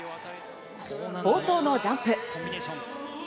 冒頭のジャンプ。